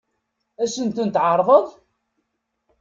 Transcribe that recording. Ad sen-tent-tɛeṛḍeḍ?